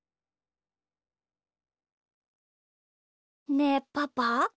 ねえパパ。